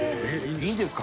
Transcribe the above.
いいですか？